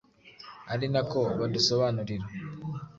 ari na ko badusobanurira.